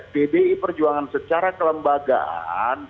ddi perjuangan secara kelembagaan